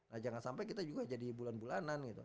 nah jangan sampai kita juga jadi bulan bulanan gitu